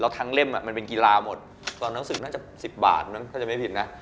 แล้วทั้งเล่มมันเป็นกีฬาหมดตอนหนังสือน่าจะ๑๐บาทถ้าจะไม่ผิดนะ